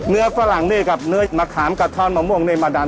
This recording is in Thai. ฝรั่งนี่กับเนื้อมะขามกะท่อนมะม่วงนี่มาดัน